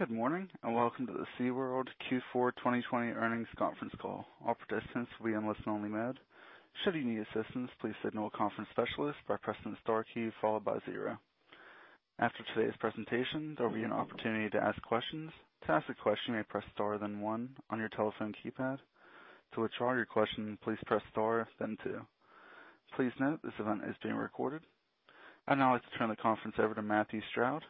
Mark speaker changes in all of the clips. Speaker 1: Good morning, and welcome to the SeaWorld Q4 2020 Earnings Conference Call. All participants will be in listen-only mode. Should you need assistance, please signal a conference specialist by pressing the star key followed by zero. After today's presentation, there will be an opportunity to ask questions. To ask a question, you may press star then one on your telephone keypad. To withdraw your question, please press star then two. Please note this event is being recorded. I'd now like to turn the conference over to Matthew Stroud,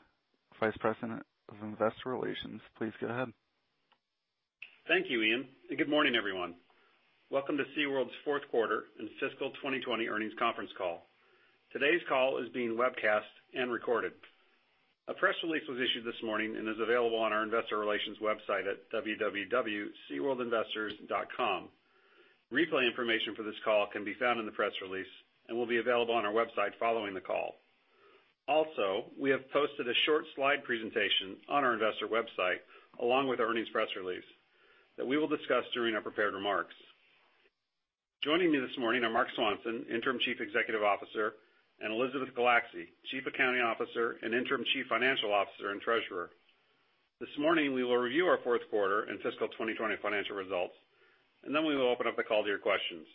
Speaker 1: Vice President of Investor Relations. Please go ahead.
Speaker 2: Thank you, Ian, good morning, everyone. Welcome to SeaWorld's fourth quarter and fiscal 2020 earnings conference call. Today's call is being webcast and recorded. A press release was issued this morning and is available on our investor relations website at www.seaworldinvestors.com. Replay information for this call can be found in the press release and will be available on our website following the call. We have posted a short slide presentation on our investor website, along with our earnings press release, that we will discuss during our prepared remarks. Joining me this morning are Marc Swanson, Interim Chief Executive Officer, and Elizabeth Gulacsy, Chief Accounting Officer and Interim Chief Financial Officer and Treasurer. This morning, we will review our fourth quarter and fiscal 2020 financial results, then we will open up the call to your questions.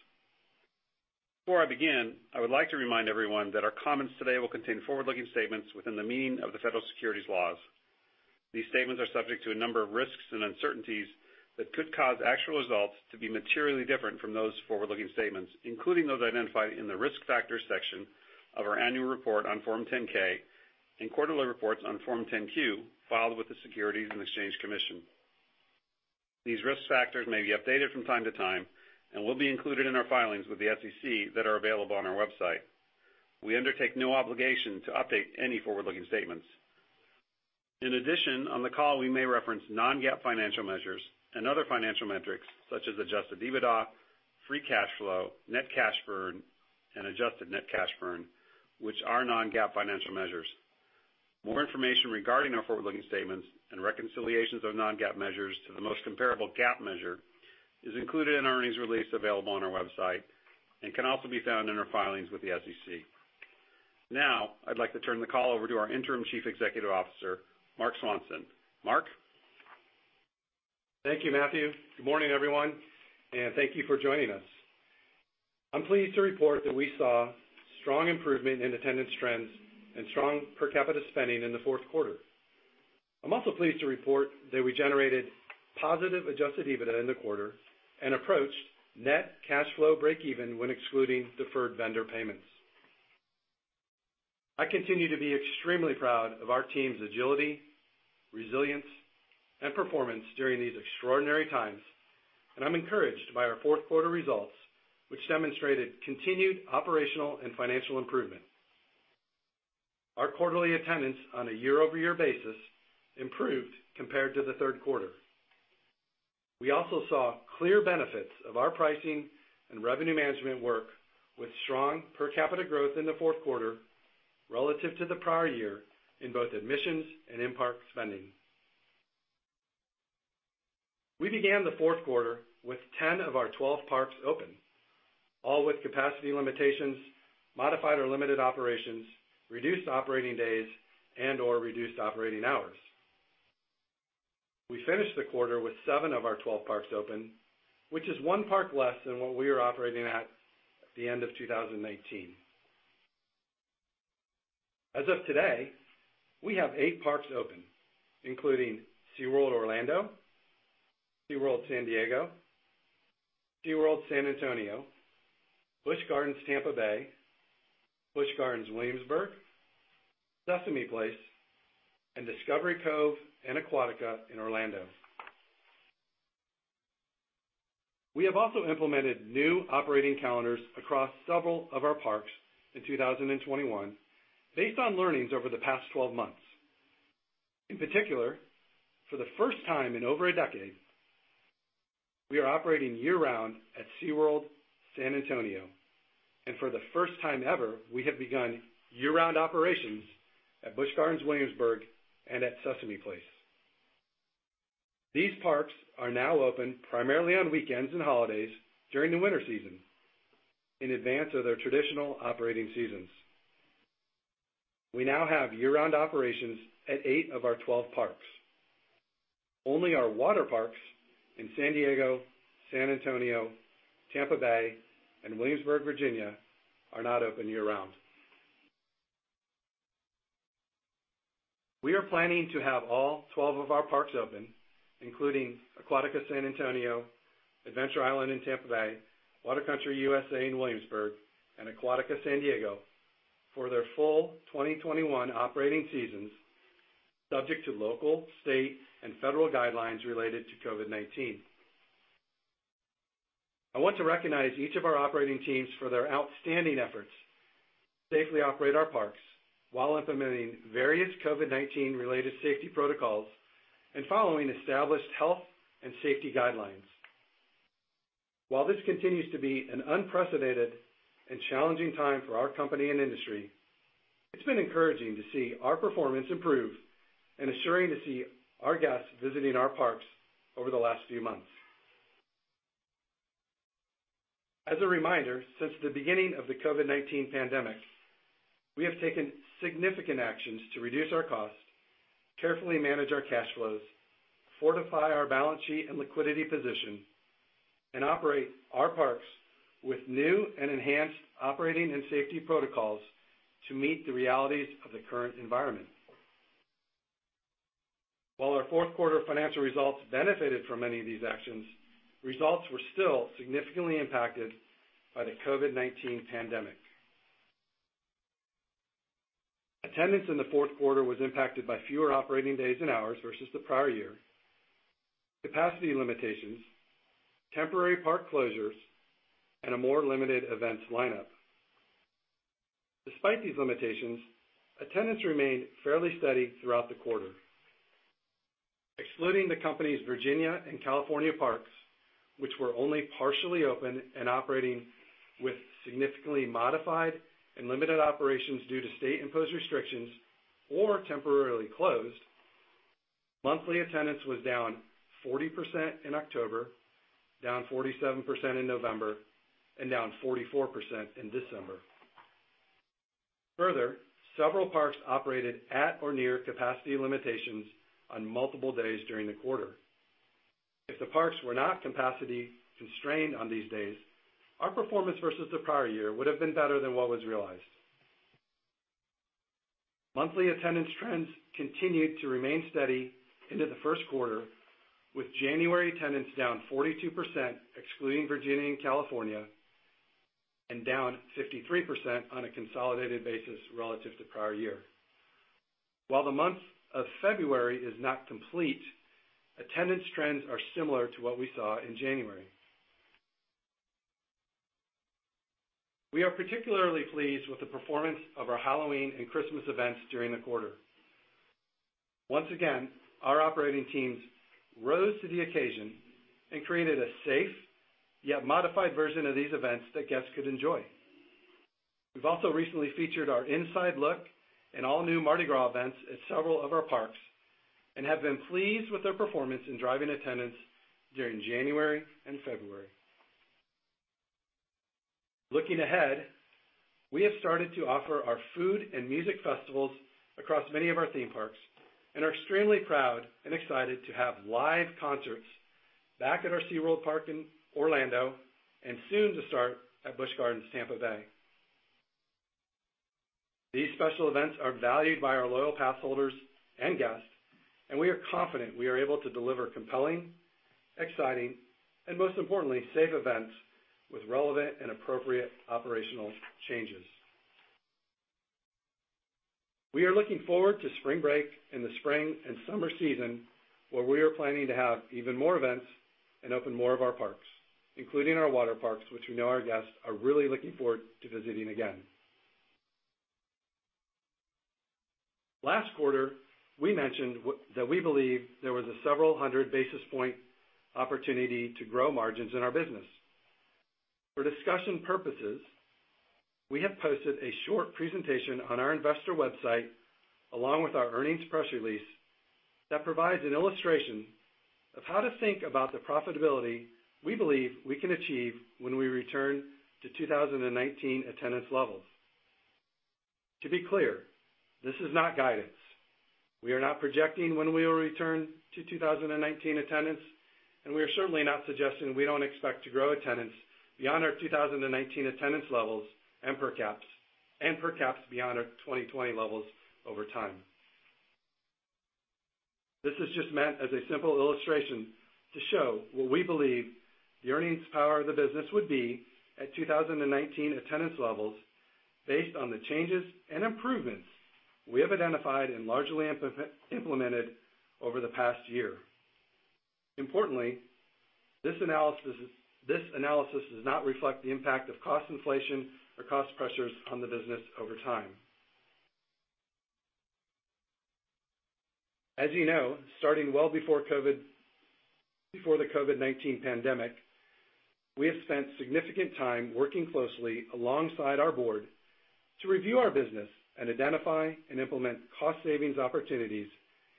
Speaker 2: Before I begin, I would like to remind everyone that our comments today will contain forward-looking statements within the meaning of the federal securities laws. These statements are subject to a number of risks and uncertainties that could cause actual results to be materially different from those forward-looking statements, including those identified in the Risk Factors section of our annual report on Form 10-K and quarterly reports on Form 10-Q filed with the Securities and Exchange Commission. These risk factors may be updated from time to time and will be included in our filings with the SEC that are available on our website. We undertake no obligation to update any forward-looking statements. In addition, on the call, we may reference non-GAAP financial measures and other financial metrics such as adjusted EBITDA, free cash flow, net cash burn, and adjusted net cash burn, which are non-GAAP financial measures. More information regarding our forward-looking statements and reconciliations of non-GAAP measures to the most comparable GAAP measure is included in our earnings release available on our website and can also be found in our filings with the SEC. Now, I'd like to turn the call over to our Interim Chief Executive Officer, Marc Swanson. Marc?
Speaker 3: Thank you, Matthew. Good morning, everyone, and thank you for joining us. I'm pleased to report that we saw strong improvement in attendance trends and strong per capita spending in the fourth quarter. I'm also pleased to report that we generated positive adjusted EBITDA in the quarter and approached net cash flow breakeven when excluding deferred vendor payments. I continue to be extremely proud of our team's agility, resilience, and performance during these extraordinary times, and I'm encouraged by our fourth quarter results, which demonstrated continued operational and financial improvement. Our quarterly attendance on a year-over-year basis improved compared to the third quarter. We also saw clear benefits of our pricing and revenue management work with strong per capita growth in the fourth quarter relative to the prior year in both admissions and in-park spending. We began the fourth quarter with 10 of our 12 parks open, all with capacity limitations, modified or limited operations, reduced operating days, and/or reduced operating hours. We finished the quarter with seven of our 12 parks open, which is one park less than what we were operating at the end of 2019. As of today, we have eight parks open, including SeaWorld Orlando, SeaWorld San Diego, SeaWorld San Antonio, Busch Gardens Tampa Bay, Busch Gardens Williamsburg, Sesame Place, and Discovery Cove and Aquatica in Orlando. We have also implemented new operating calendars across several of our parks in 2021 based on learnings over the past 12 months. In particular, for the first time in over a decade, we are operating year-round at SeaWorld San Antonio, and for the first time ever, we have begun year-round operations at Busch Gardens Williamsburg and at Sesame Place. These parks are now open primarily on weekends and holidays during the winter season in advance of their traditional operating seasons. We now have year-round operations at eight of our 12 parks. Only our water parks in San Diego, San Antonio, Tampa Bay, and Williamsburg, Virginia, are not open year-round. We are planning to have all 12 of our parks open, including Aquatica San Antonio, Adventure Island in Tampa Bay, Water Country USA in Williamsburg, and Aquatica San Diego, for their full 2021 operating seasons, subject to local, state, and federal guidelines related to COVID-19. I want to recognize each of our operating teams for their outstanding efforts to safely operate our parks while implementing various COVID-19 related safety protocols and following established health and safety guidelines. While this continues to be an unprecedented and challenging time for our company and industry, it's been encouraging to see our performance improve and assuring to see our guests visiting our parks over the last few months. As a reminder, since the beginning of the COVID-19 pandemic, we have taken significant actions to reduce our costs, carefully manage our cash flows, fortify our balance sheet and liquidity position, and operate our parks with new and enhanced operating and safety protocols to meet the realities of the current environment. While our fourth quarter financial results benefited from many of these actions, results were still significantly impacted by the COVID-19 pandemic. Attendance in the fourth quarter was impacted by fewer operating days and hours versus the prior year, capacity limitations, temporary park closures, and a more limited events lineup. Despite these limitations, attendance remained fairly steady throughout the quarter. Excluding the company's Virginia and California parks, which were only partially open and operating with significantly modified and limited operations due to state-imposed restrictions, or temporarily closed, monthly attendance was down 40% in October, down 47% in November, and down 44% in December. Further, several parks operated at or near capacity limitations on multiple days during the quarter. If the parks were not capacity constrained on these days, our performance versus the prior year would've been better than what was realized. Monthly attendance trends continued to remain steady into the first quarter, with January attendance down 42% excluding Virginia and California, and down 53% on a consolidated basis relative to prior year. While the month of February is not complete, attendance trends are similar to what we saw in January. We are particularly pleased with the performance of our Halloween and Christmas events during the quarter. Once again, our operating teams rose to the occasion and created a safe, yet modified version of these events that guests could enjoy. We've also recently featured our Inside Look and all new Mardi Gras events at several of our parks, and have been pleased with their performance in driving attendance during January and February. Looking ahead, we have started to offer our food and music festivals across many of our theme parks, and are extremely proud and excited to have live concerts back at our SeaWorld park in Orlando, and soon to start at Busch Gardens, Tampa Bay. These special events are valued by our loyal pass holders and guests, and we are confident we are able to deliver compelling, exciting, and most importantly, safe events with relevant and appropriate operational changes. We are looking forward to spring break and the spring and summer season, where we are planning to have even more events and open more of our parks, including our water parks, which we know our guests are really looking forward to visiting again. Last quarter, we mentioned that we believe there was a several hundred basis point opportunity to grow margins in our business. For discussion purposes, we have posted a short presentation on our investor website, along with our earnings press release, that provides an illustration of how to think about the profitability we believe we can achieve when we return to 2019 attendance levels. To be clear, this is not guidance. We are not projecting when we will return to 2019 attendance. We are certainly not suggesting we don't expect to grow attendance beyond our 2019 attendance levels and per caps beyond our 2020 levels over time. This is just meant as a simple illustration to show what we believe the earnings power of the business would be at 2019 attendance levels, based on the changes and improvements we have identified and largely implemented over the past year. Importantly, this analysis does not reflect the impact of cost inflation or cost pressures on the business over time. As you know, starting well before the COVID-19 pandemic, we have spent significant time working closely alongside our board to review our business and identify and implement cost savings opportunities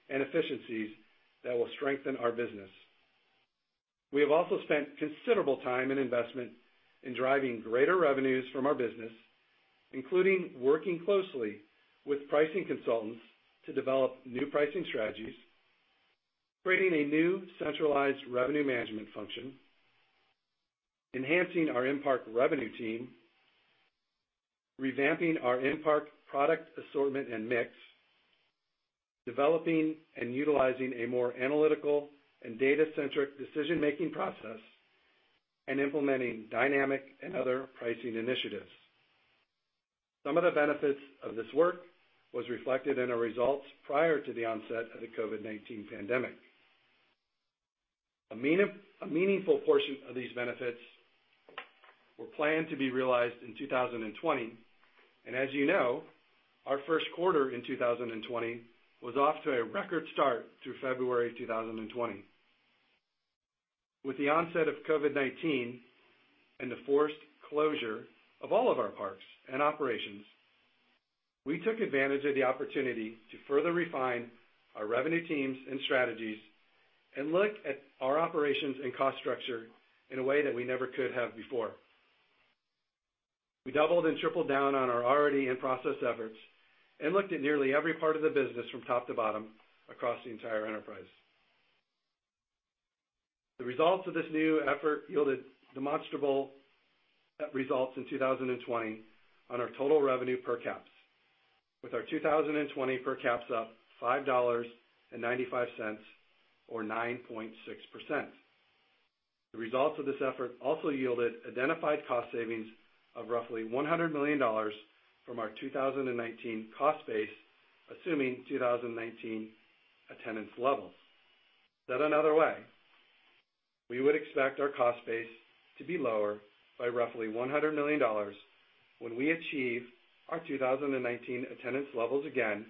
Speaker 3: and efficiencies that will strengthen our business. We have also spent considerable time and investment in driving greater revenues from our business, including working closely with pricing consultants to develop new pricing strategies, creating a new centralized revenue management function, enhancing our in-park revenue team, revamping our in-park product assortment and mix, developing and utilizing a more analytical and data-centric decision-making process, and implementing dynamic and other pricing initiatives. Some of the benefits of this work was reflected in our results prior to the onset of the COVID-19 pandemic. A meaningful portion of these benefits were planned to be realized in 2020, and as you know, our first quarter in 2020 was off to a record start through February 2020. With the onset of COVID-19 and the forced closure of all of our parks and operations. We took advantage of the opportunity to further refine our revenue teams and strategies and looked at our operations and cost structure in a way that we never could have before. We doubled and tripled down on our already in-process efforts and looked at nearly every part of the business from top to bottom across the entire enterprise. The results of this new effort yielded demonstrable results in 2020 on our total revenue per caps, with our 2020 per caps up $5.95 or 9.6%. The results of this effort also yielded identified cost savings of roughly $100 million from our 2019 cost base, assuming 2019 attendance levels. Said another way, we would expect our cost base to be lower by roughly $100 million when we achieve our 2019 attendance levels again,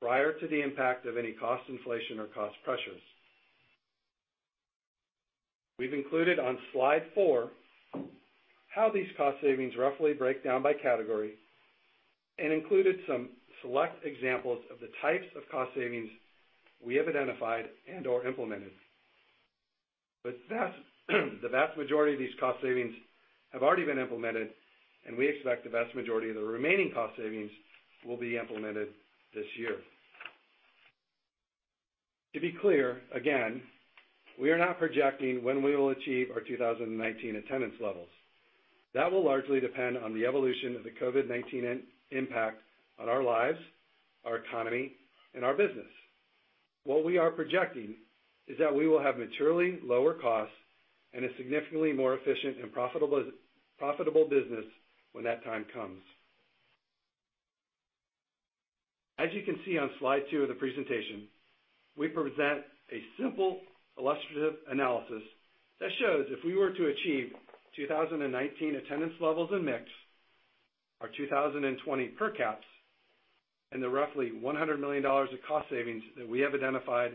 Speaker 3: prior to the impact of any cost inflation or cost pressures. We've included on slide four how these cost savings roughly break down by category and included some select examples of the types of cost savings we have identified and/or implemented. The vast majority of these cost savings have already been implemented, and we expect the vast majority of the remaining cost savings will be implemented this year. To be clear, again, we are not projecting when we will achieve our 2019 attendance levels. That will largely depend on the evolution of the COVID-19 impact on our lives, our economy, and our business. What we are projecting is that we will have materially lower costs and a significantly more efficient and profitable business when that time comes. As you can see on slide two of the presentation, we present a simple illustrative analysis that shows if we were to achieve 2019 attendance levels and mix, our 2020 per caps, and the roughly $100 million of cost savings that we have identified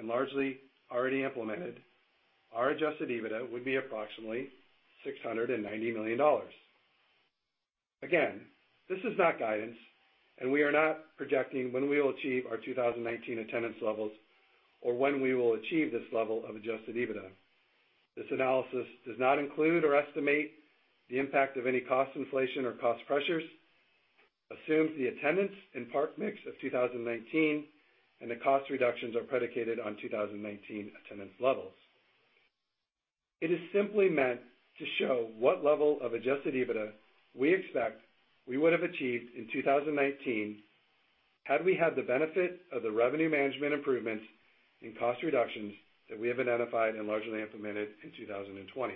Speaker 3: and largely already implemented, our adjusted EBITDA would be approximately $690 million. Again, this is not guidance, and we are not projecting when we will achieve our 2019 attendance levels or when we will achieve this level of adjusted EBITDA. This analysis does not include or estimate the impact of any cost inflation or cost pressures, assumes the attendance and park mix of 2019, and the cost reductions are predicated on 2019 attendance levels. It is simply meant to show what level of adjusted EBITDA we expect we would have achieved in 2019 had we had the benefit of the revenue management improvements and cost reductions that we have identified and largely implemented in 2020.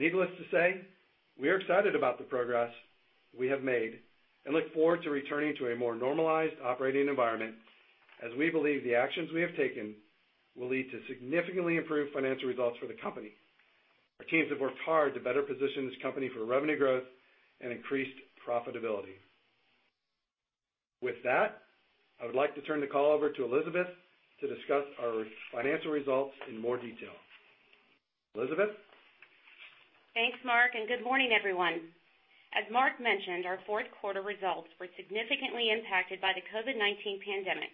Speaker 3: Needless to say, we are excited about the progress we have made and look forward to returning to a more normalized operating environment as we believe the actions we have taken will lead to significantly improved financial results for the company. Our teams have worked hard to better position this company for revenue growth and increased profitability. With that, I would like to turn the call over to Elizabeth to discuss our financial results in more detail. Elizabeth?
Speaker 4: Thanks, Marc. Good morning, everyone. As Marc mentioned, our fourth quarter results were significantly impacted by the COVID-19 pandemic.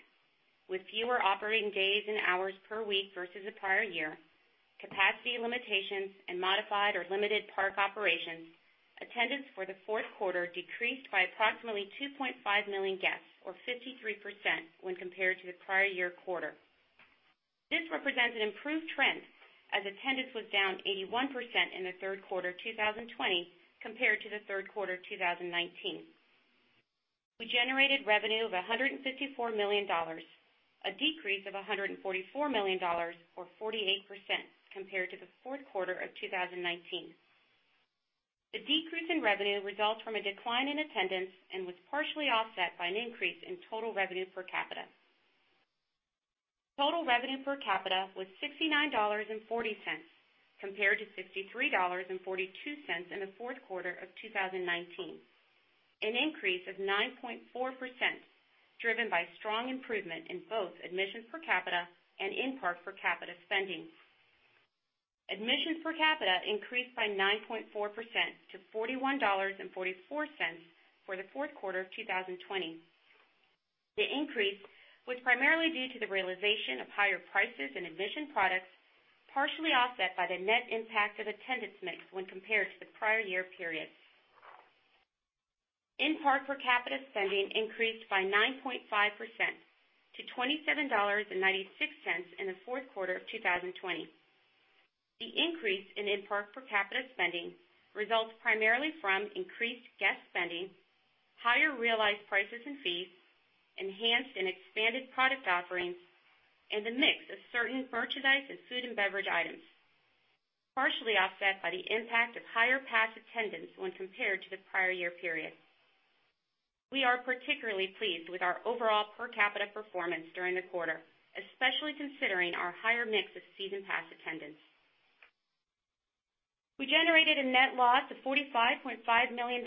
Speaker 4: With fewer operating days and hours per week versus the prior year, capacity limitations, and modified or limited park operations, attendance for the fourth quarter decreased by approximately 2.5 million guests, or 53%, when compared to the prior year quarter. This represents an improved trend, as attendance was down 81% in the third quarter 2020 compared to the third quarter 2019. We generated revenue of $154 million, a decrease of $144 million, or 48%, compared to the fourth quarter of 2019. The decrease in revenue results from a decline in attendance and was partially offset by an increase in total revenue per capita. Total revenue per capita was $69.40 compared to $63.42 in the fourth quarter of 2019, an increase of 9.4% driven by strong improvement in both admissions per capita and in-park per capita spending. Admissions per capita increased by 9.4% to $41.44 for the fourth quarter of 2020. The increase was primarily due to the realization of higher prices and admission products, partially offset by the net impact of attendance mix when compared to the prior year period. In-park per capita spending increased by 9.5% to $27.96 in the fourth quarter of 2020. The increase in in-park per capita spending results primarily from increased guest spending, higher realized prices and fees, enhanced and expanded product offerings, and the mix of certain merchandise and food and beverage items, partially offset by the impact of higher pass attendance when compared to the prior year period. We are particularly pleased with our overall per capita performance during the quarter, especially considering our higher mix of season pass attendance. We generated a net loss of $45.5 million,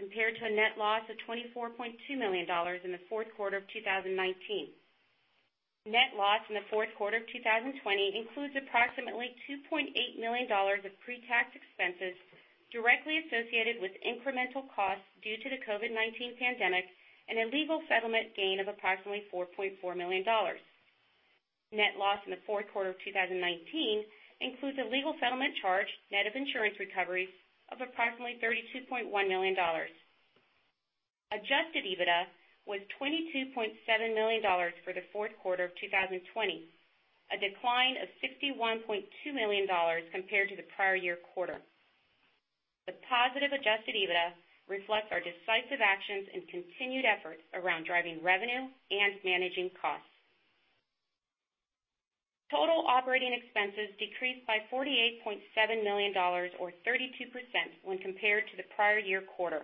Speaker 4: compared to a net loss of $24.2 million in the fourth quarter of 2019. Net loss in the fourth quarter of 2020 includes approximately $2.8 million of pre-tax expenses directly associated with incremental costs due to the COVID-19 pandemic and a legal settlement gain of approximately $4.4 million. Net loss in the fourth quarter of 2019 includes a legal settlement charge, net of insurance recoveries, of approximately $32.1 million. Adjusted EBITDA was $22.7 million for the fourth quarter of 2020, a decline of $61.2 million compared to the prior year quarter. The positive adjusted EBITDA reflects our decisive actions and continued efforts around driving revenue and managing costs. Total operating expenses decreased by $48.7 million or 32% when compared to the prior year quarter,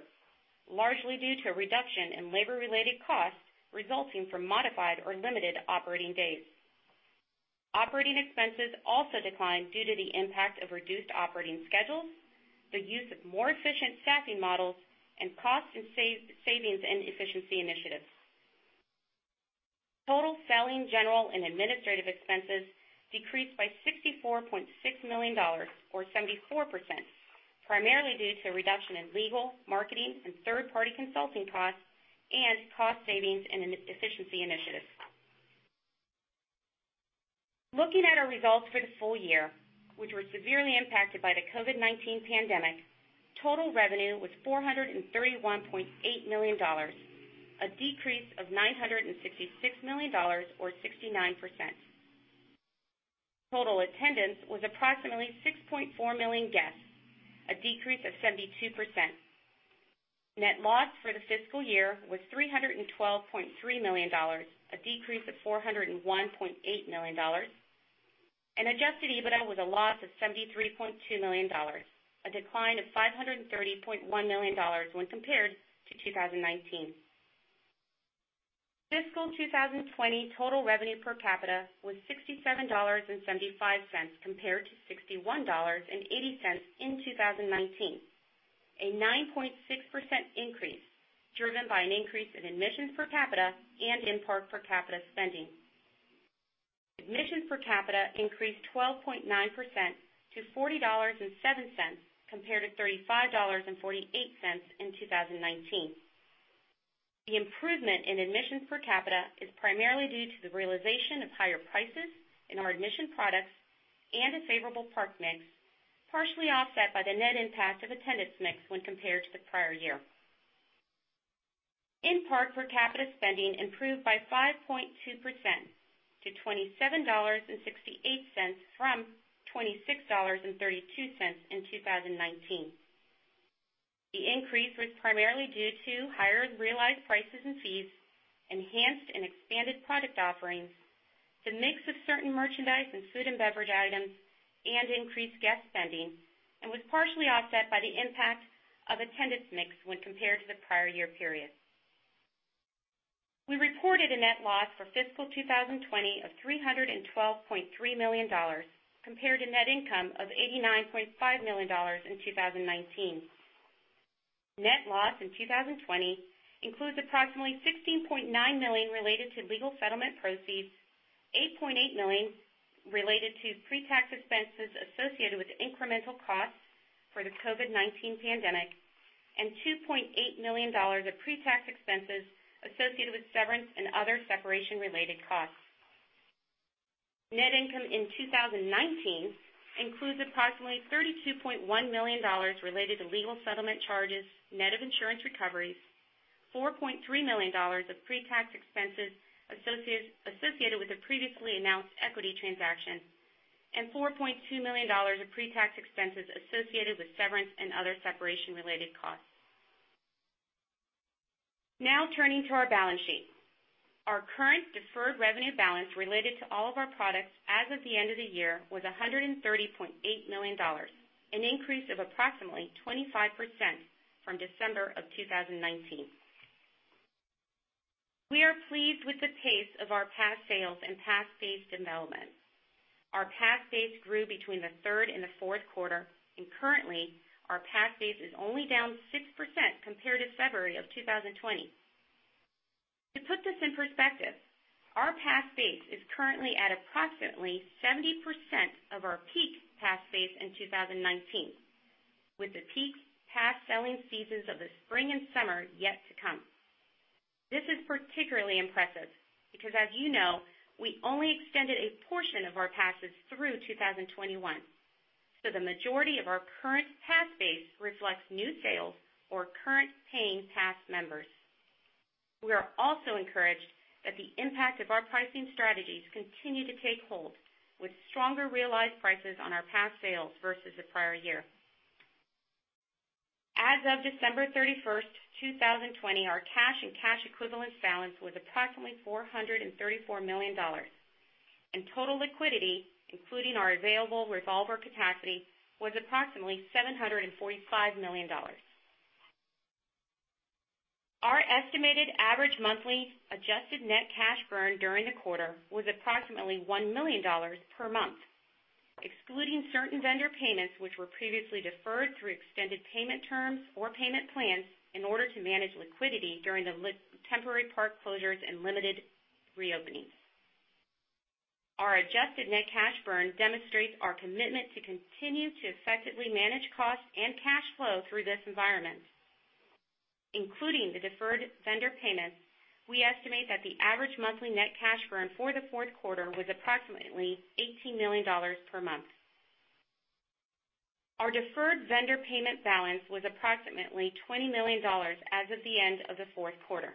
Speaker 4: largely due to a reduction in labor-related costs resulting from modified or limited operating days. Operating expenses also declined due to the impact of reduced operating schedules, the use of more efficient staffing models, and cost savings and efficiency initiatives. Total selling, general, and administrative expenses decreased by $64.6 million or 74%, primarily due to a reduction in legal, marketing, and third-party consulting costs and cost savings and efficiency initiatives. Looking at our results for the full year, which were severely impacted by the COVID-19 pandemic, total revenue was $431.8 million, a decrease of $966 million or 69%. Total attendance was approximately 6.4 million guests, a decrease of 72%. Net loss for the fiscal year was $312.3 million, a decrease of $401.8 million, and adjusted EBITDA was a loss of $73.2 million, a decline of $530.1 million when compared to 2019. Fiscal 2020 total revenue per capita was $67.75 compared to $61.80 in 2019, a 9.6% increase driven by an increase in admissions per capita and in-park per capita spending. Admissions per capita increased 12.9% to $40.07 compared to $35.48 in 2019. The improvement in admissions per capita is primarily due to the realization of higher prices in our admission products and a favorable park mix, partially offset by the net impact of attendance mix when compared to the prior year. In-park per capita spending improved by 5.2% to $27.68 from $26.32 in 2019. The increase was primarily due to higher realized prices and fees, enhanced and expanded product offerings, the mix of certain merchandise and food and beverage items, and increased guest spending, and was partially offset by the impact of attendance mix when compared to the prior year period. We reported a net loss for fiscal 2020 of $312.3 million compared to net income of $89.5 million in 2019. Net loss in 2020 includes approximately $16.9 million related to legal settlement proceeds, $8.8 million related to pre-tax expenses associated with incremental costs for the COVID-19 pandemic, and $2.8 million of pre-tax expenses associated with severance and other separation-related costs. Net income in 2019 includes approximately $32.1 million related to legal settlement charges, net of insurance recoveries, $4.3 million of pre-tax expenses associated with a previously announced equity transaction, and $4.2 million of pre-tax expenses associated with severance and other separation-related costs. Now turning to our balance sheet. Our current deferred revenue balance related to all of our products as of the end of the year was $130.8 million, an increase of approximately 25% from December of 2019. We are pleased with the pace of our pass sales and pass base development. Our pass base grew between the third and the fourth quarter, and currently, our pass base is only down 6% compared to February of 2020. To put this in perspective, our pass base is currently at approximately 70% of our peak pass base in 2019, with the peak pass-selling seasons of the spring and summer yet to come. This is particularly impressive because, as you know, we only extended a portion of our passes through 2021, so the majority of our current pass base reflects new sales or current paying pass members. We are also encouraged that the impact of our pricing strategies continue to take hold with stronger realized prices on our pass sales versus the prior year. As of December 31st, 2020, our cash and cash equivalents balance was approximately $434 million, and total liquidity, including our available revolver capacity, was approximately $745 million. Our estimated average monthly adjusted net cash burn during the quarter was approximately $1 million per month excluding certain vendor payments, which were previously deferred through extended payment terms or payment plans in order to manage liquidity during the temporary park closures and limited reopenings. Our adjusted net cash burn demonstrates our commitment to continue to effectively manage costs and cash flow through this environment. Including the deferred vendor payments, we estimate that the average monthly net cash burn for the fourth quarter was approximately $18 million per month. Our deferred vendor payment balance was approximately $20 million as of the end of the fourth quarter.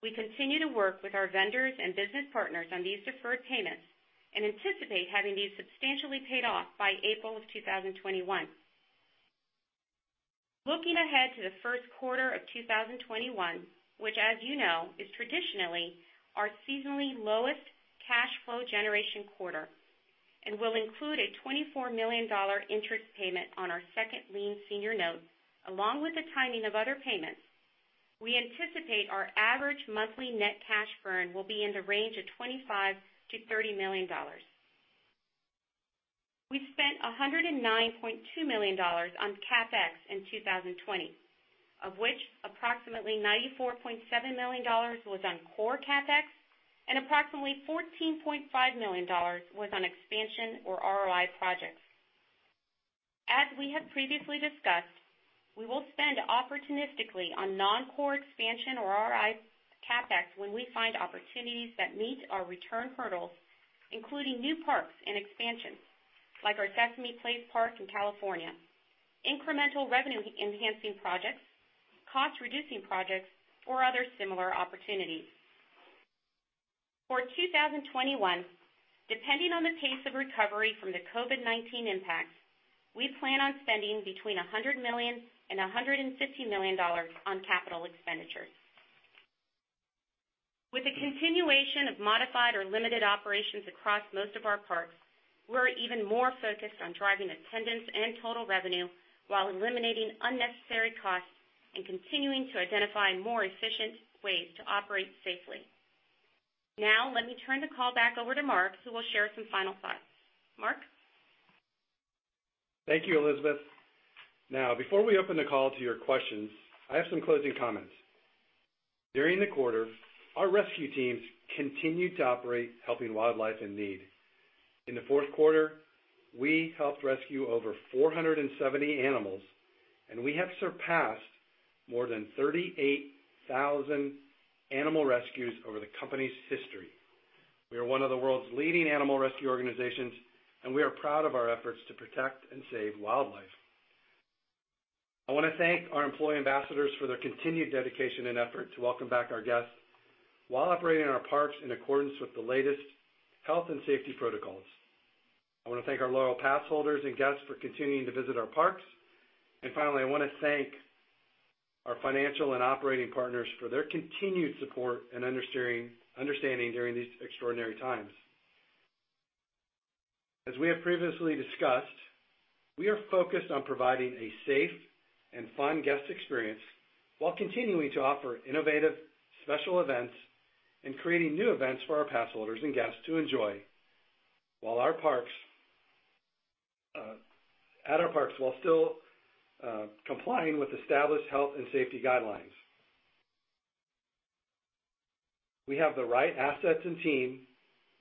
Speaker 4: We continue to work with our vendors and business partners on these deferred payments and anticipate having these substantially paid off by April 2021. Looking ahead to the first quarter of 2021, which as you know, is traditionally our seasonally lowest cash flow generation quarter and will include a $24 million interest payment on our second lien senior note, along with the timing of other payments, we anticipate our average monthly net cash burn will be in the range of $25 million-$30 million. We spent $109.2 million on CapEx in 2020, of which approximately $94.7 million was on core CapEx and approximately $14.5 million was on expansion or ROI projects. As we have previously discussed, we will spend opportunistically on non-core expansion or ROI CapEx when we find opportunities that meet our return hurdles, including new parks and expansions, like our Sesame Place park in California, incremental revenue-enhancing projects, cost-reducing projects, or other similar opportunities. For 2021, depending on the pace of recovery from the COVID-19 impacts, we plan on spending between $100 million and $150 million on capital expenditures. With the continuation of modified or limited operations across most of our parks, we're even more focused on driving attendance and total revenue while eliminating unnecessary costs and continuing to identify more efficient ways to operate safely. Now, let me turn the call back over to Marc, who will share some final thoughts. Marc?
Speaker 3: Thank you, Elizabeth. Now, before we open the call to your questions, I have some closing comments. During the quarter, our rescue teams continued to operate, helping wildlife in need. In the fourth quarter, we helped rescue over 470 animals, and we have surpassed more than 38,000 animal rescues over the company's history. We are one of the world's leading animal rescue organizations, and we are proud of our efforts to protect and save wildlife. I want to thank our employee ambassadors for their continued dedication and effort to welcome back our guests while operating our parks in accordance with the latest health and safety protocols. I want to thank our loyal pass holders and guests for continuing to visit our parks. Finally, I want to thank our financial and operating partners for their continued support and understanding during these extraordinary times. As we have previously discussed, we are focused on providing a safe and fun guest experience while continuing to offer innovative special events and creating new events for our pass holders and guests to enjoy at our parks while still complying with established health and safety guidelines. We have the right assets and team.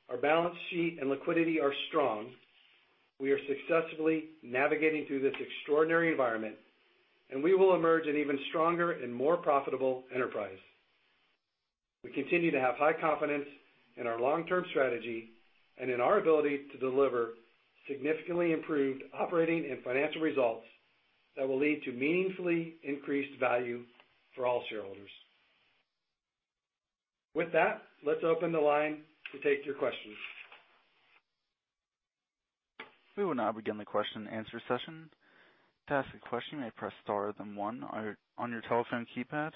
Speaker 3: Our balance sheet and liquidity are strong. We are successfully navigating through this extraordinary environment, and we will emerge an even stronger and more profitable enterprise. We continue to have high confidence in our long-term strategy and in our ability to deliver significantly improved operating and financial results that will lead to meaningfully increased value for all shareholders. With that, let's open the line to take your questions.
Speaker 1: We will now begin the question-and-answer session. To ask a question you may press star then one on your telephone keypad.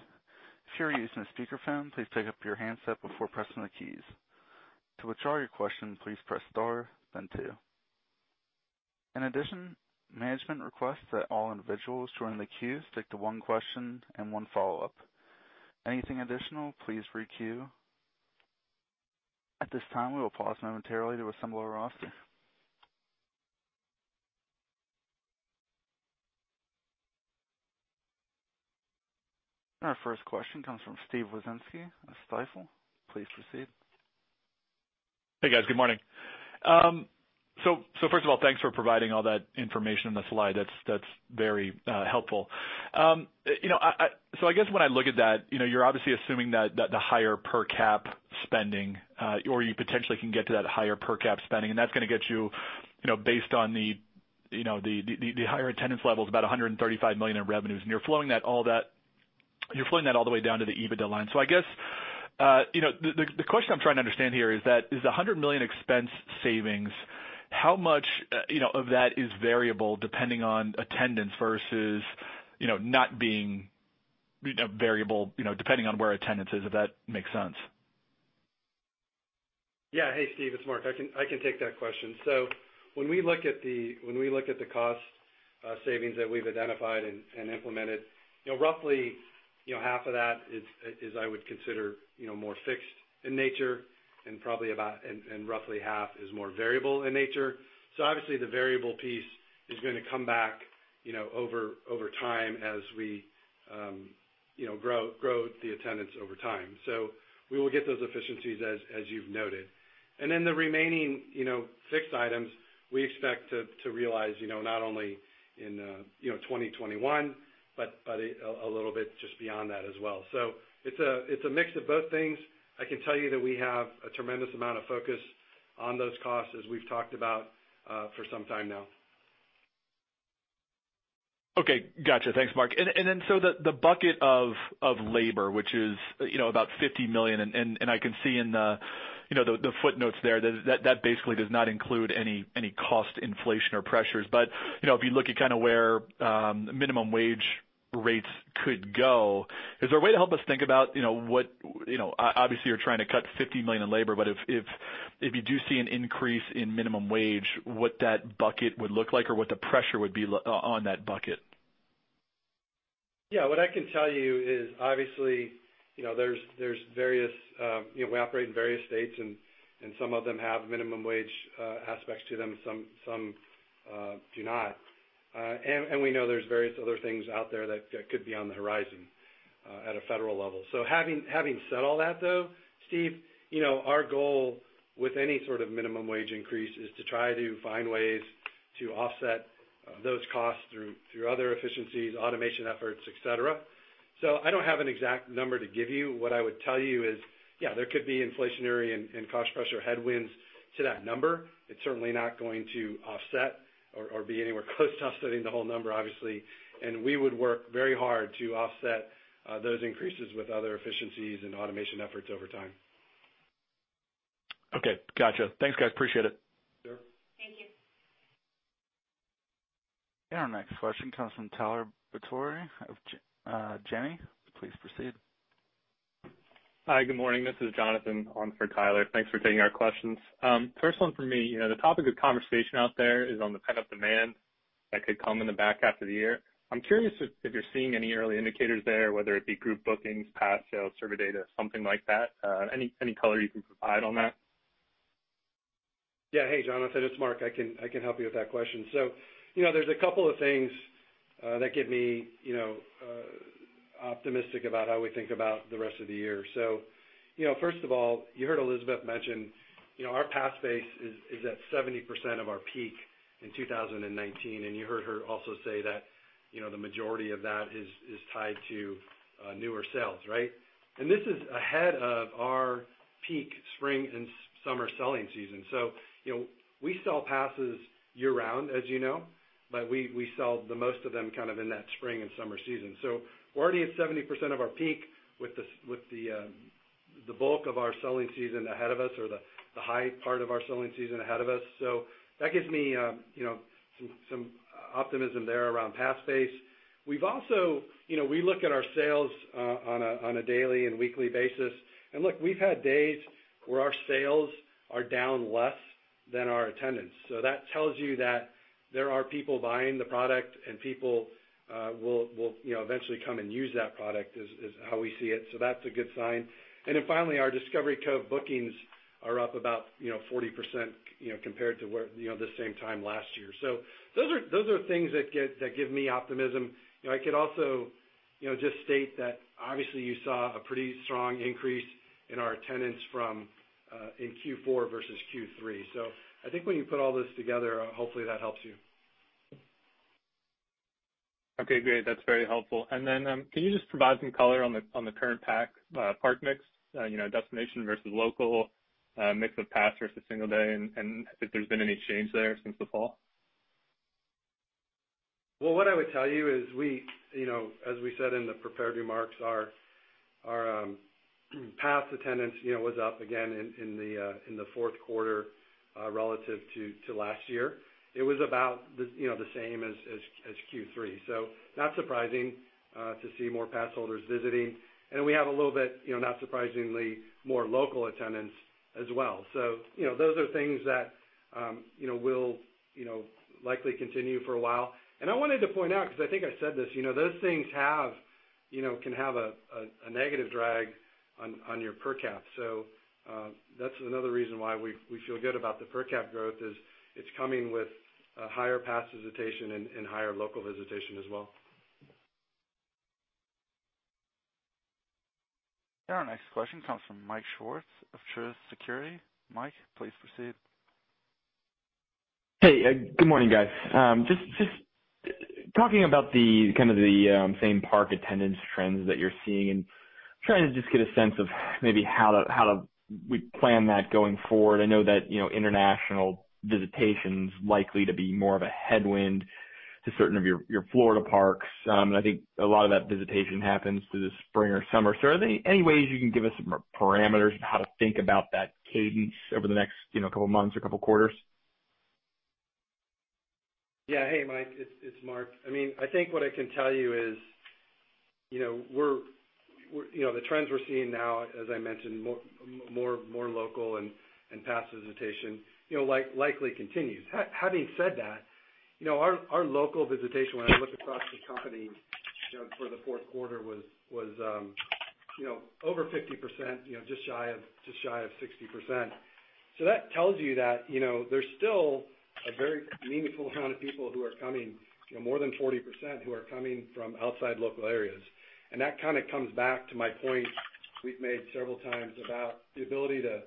Speaker 1: To use your speakerphone please pick up your handset before pressing the keys. To withdraw your question, please press star then two. In addition, may we ask or request to individuals during the queue to take one question and one follow-up. Anything additional, please re-queue. At this time we will pause momentarily to assemble the roster. Our first question comes from Steve Wieczynski at Stifel. Please proceed.
Speaker 5: Hey, guys. Good morning. First of all, thanks for providing all that information in the slide. That's very helpful. I guess when I look at that, you're obviously assuming that the higher per cap spending, or you potentially can get to that higher per cap spending, and that's going to get you based on the higher attendance levels, about $135 million in revenues. You're flowing that all the way down to the EBITDA line. I guess, the question I'm trying to understand here is that, is the $100 million expense savings, how much of that is variable depending on attendance versus, not being variable, depending on where attendance is, if that makes sense?
Speaker 3: Yeah. Hey, Steve, it's Marc. I can take that question. When we look at the cost-savings that we've identified and implemented. Roughly half of that is I would consider more fixed in nature and roughly half is more variable in nature. Obviously the variable piece is going to come back over time as we grow the attendance over time. We will get those efficiencies as you've noted. The remaining fixed items we expect to realize not only in 2021, but a little bit just beyond that as well. It's a mix of both things. I can tell you that we have a tremendous amount of focus on those costs, as we've talked about for some time now.
Speaker 5: Okay. Got you. Thanks, Marc. The bucket of labor, which is about $50 million, and I can see in the footnotes there that basically does not include any cost inflation or pressures. If you look at kind of where minimum wage rates could go, is there a way to help us think about obviously you're trying to cut $50 million in labor, but if you do see an increase in minimum wage, what that bucket would look like or what the pressure would be on that bucket?
Speaker 3: Yeah, what I can tell you is obviously, we operate in various states and some of them have minimum wage aspects to them, some do not. We know there's various other things out there that could be on the horizon at a federal level. Having said all that though, Steve, our goal with any sort of minimum wage increase is to try to find ways to offset those costs through other efficiencies, automation efforts, et cetera. I don't have an exact number to give you. What I would tell you is, yeah, there could be inflationary and cost pressure headwinds to that number. It's certainly not going to offset or be anywhere close to offsetting the whole number, obviously. We would work very hard to offset those increases with other efficiencies and automation efforts over time.
Speaker 5: Okay. Got you. Thanks, guys. Appreciate it.
Speaker 3: Sure.
Speaker 4: Thank you.
Speaker 1: Our next question comes from Tyler Batory of Janney, please proceed.
Speaker 6: Hi, good morning. This is Jonathan on for Tyler. Thanks for taking our questions. First one from me. The topic of conversation out there is on the pent-up demand that could come in the back half of the year. I'm curious if you're seeing any early indicators there, whether it be group bookings, pass sales, server data, something like that. Any color you can provide on that?
Speaker 3: Hey, Jonathan, it's Marc. I can help you with that question. There's a couple of things that get me optimistic about how we think about the rest of the year. First of all, you heard Elizabeth mention our pass base is at 70% of our peak in 2019, and you heard her also say that the majority of that is tied to newer sales, right? This is ahead of our peak spring and summer selling season. We sell passes year-round, as you know, but we sell the most of them kind of in that spring and summer season. We're already at 70% of our peak with the bulk of our selling season ahead of us, or the high part of our selling season ahead of us. That gives me some optimism there around pass base. We look at our sales on a daily and weekly basis. Look, we've had days where our sales are down less than our attendance. That tells you that there are people buying the product and people will eventually come and use that product is how we see it. That's a good sign. Finally, our Discovery Cove bookings are up about 40% compared to this same time last year. Those are things that give me optimism. I could also just state that obviously you saw a pretty strong increase in our attendance in Q4 versus Q3. I think when you put all this together, hopefully that helps you.
Speaker 6: Okay, great. That's very helpful. Can you just provide some color on the current park mix, destination versus local, mix of pass versus single day, and if there's been any change there since the fall?
Speaker 3: Well, what I would tell you is, as we said in the prepared remarks, our pass attendance was up again in the fourth quarter relative to last year. It was about the same as Q3. Not surprising to see more pass holders visiting. We have a little bit, not surprisingly, more local attendance as well. Those are things that will likely continue for a while. I wanted to point out, because I think I said this, those things can have a negative drag on your per cap. That's another reason why we feel good about the per cap growth is it's coming with a higher pass visitation and higher local visitation as well.
Speaker 1: Our next question comes from Mike Swartz of Truist Securities. Mike, please proceed.
Speaker 7: Hey, good morning, guys. Just talking about the kind of the same park attendance trends that you're seeing and trying to just get a sense of maybe how to we plan that going forward. I know that international visitation's likely to be more of a headwind to certain of your Florida parks. I think a lot of that visitation happens through the spring or summer. Are there any ways you can give us some parameters for how to think about that cadence over the next couple of months or couple quarters?
Speaker 3: Yeah. Hey, Mike, it's Marc. I think what I can tell you is. The trends we're seeing now, as I mentioned, more local and pass visitation, likely continues. Having said that, our local visitation, when I look across the company for the fourth quarter was over 50%, just shy of 60%. That tells you that there's still a very meaningful amount of people who are coming, more than 40%, who are coming from outside local areas. That kind of comes back to my point we've made several times about the ability to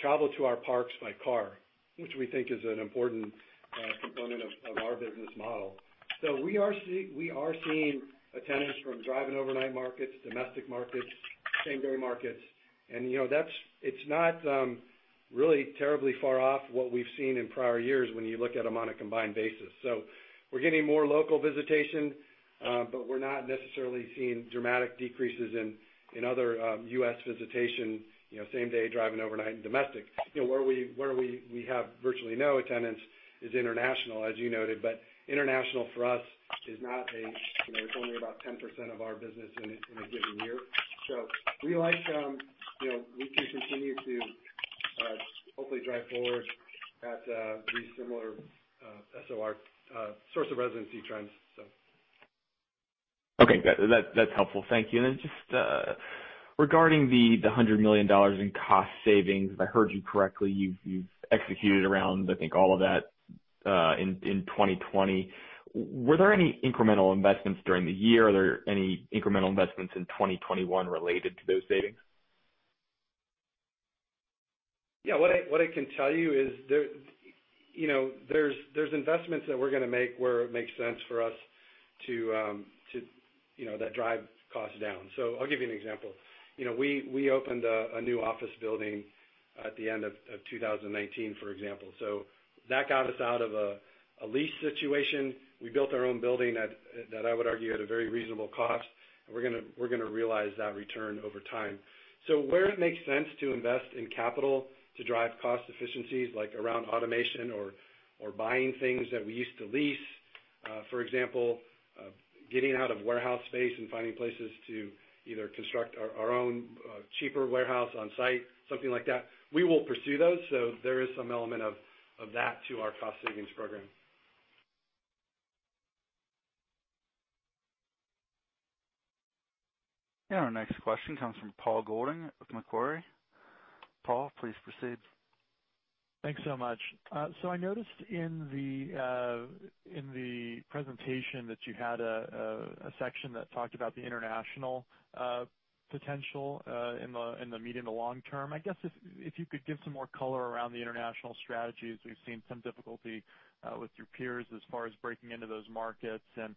Speaker 3: travel to our parks by car, which we think is an important component of our business model. We are seeing attendance from drive-in overnight markets, domestic markets, same-day markets, and it's not really terribly far off what we've seen in prior years when you look at them on a combined basis. We're getting more local visitation, but we're not necessarily seeing dramatic decreases in other U.S. visitation, same day, drive-in overnight and domestic. Where we have virtually no attendance is international, as you noted. International for us is only about 10% of our business in a given year. We can continue to hopefully drive forward at these similar SOR, source of residency trends.
Speaker 7: Okay, that's helpful. Thank you. Just regarding the $100 million in cost savings, if I heard you correctly, you've executed around, I think all of that, in 2020. Were there any incremental investments during the year? Are there any incremental investments in 2021 related to those savings?
Speaker 3: Yeah, what I can tell you is there's investments that we're going to make where it makes sense for us that drive costs down. I'll give you an example. We opened a new office building at the end of 2019, for example. That got us out of a lease situation. We built our own building that I would argue at a very reasonable cost, and we're going to realize that return over time. Where it makes sense to invest in capital to drive cost efficiencies, like around automation or buying things that we used to lease. For example, getting out of warehouse space and finding places to either construct our own cheaper warehouse on site, something like that, we will pursue those. There is some element of that to our cost savings program.
Speaker 1: Our next question comes from Paul Golding with Macquarie. Paul, please proceed.
Speaker 8: Thanks so much. I noticed in the presentation that you had a section that talked about the international potential in the medium to long term. I guess, if you could give some more color around the international strategies. We've seen some difficulty with your peers as far as breaking into those markets. As